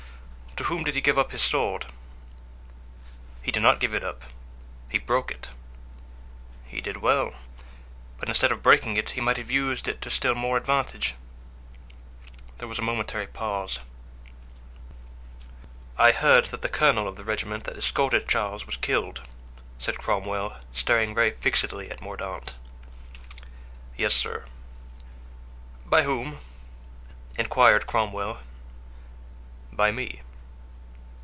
"To whom did he give up his sword?" "He did not give it up; he broke it." "He did well; but instead of breaking it, he might have used it to still more advantage." There was a momentary pause. "I heard that the colonel of the regiment that escorted Charles was killed," said Cromwell, staring very fixedly at Mordaunt. "Yes, sir." "By whom?" inquired Cromwell. "By me."